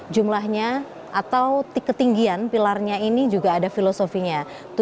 jumlahnya atau ketinggian pilarnya ini juga ada filosofinya